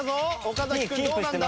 岡君どうなんだ？